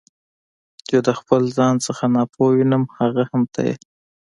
چې د خپل ځان نه ناپوه وینم هغه هم ته یې.